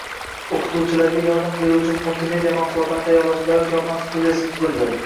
o‘qituvchilarga yordam beruvchi multimedia mahsulotlarini tayyorlovchi davlat korxonasi – studiyasini tuzish.